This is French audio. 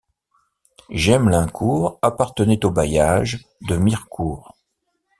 Gemmelaincourt appartenait au bailliage de Mirecourt.